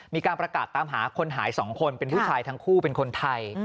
มีการประกาศตามหาคนหาย๒คนเป็นผู้ชายทั้งคู่เป็นคนไทย